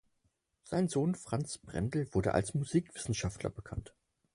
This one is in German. Sein Sohn Franz Brendel wurde als Musikwissenschaftler bekannt.